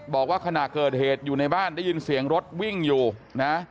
บอกว่าขณะเกิดเหตุอยู่ในบ้านได้ยินเสียงรถวิ่งอยู่นะ